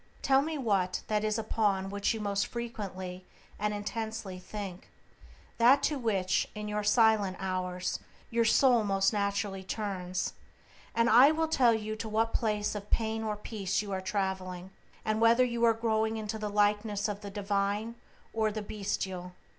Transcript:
Tell me what that is upon which you most frequently and intensely think, that to which, in your silent hours, your soul most naturally turns, and I will tell you to what place of pain or peace you are traveling, and whether you are growing into the likeness of the divine or the bestial.